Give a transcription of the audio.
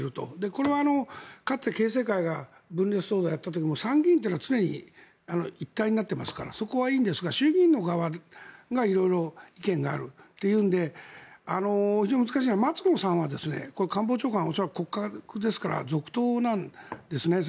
これはかつて経世会が分裂騒動をやった時にも参議院は常に一体になっていますからそこはいいんですが衆議院の側が色々意見があるというので難しいのは松野さんは骨格ですから続投なんですね。